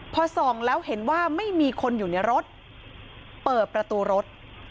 พอส่องแล้วเห็นว่าไม่มีคนอยู่ในรถเปิดประตูรถ